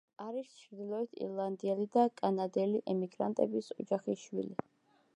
არის ჩრდილოეთ ირლანდიელი და კანადელი ემიგრანტების ოჯახის შვილი.